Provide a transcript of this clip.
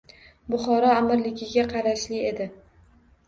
— Buxoro amirligiga qarashli edi.